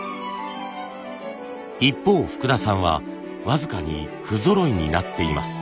一方福田さんは僅かに不ぞろいになっています。